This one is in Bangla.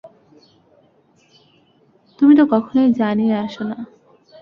তুমি তো কখনোই জানিয়ে আসো না।